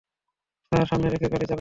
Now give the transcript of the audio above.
Sir, সামনে দেখে গাড়ি চালাবেন কি?